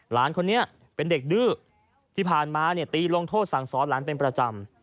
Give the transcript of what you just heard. หลานคนนี้เป็นเด็กดื้อที่ผ่านมาเนี่ยตีลงโทษสั่งสอนหลานเป็นประจำ